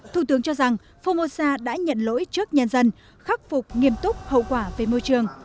thủ tướng cho rằng formosa đã nhận lỗi trước nhân dân khắc phục nghiêm túc hậu quả về môi trường